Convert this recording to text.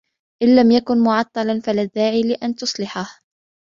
إن لم يكن معطلا ، فلا داعي لأن تصلحه.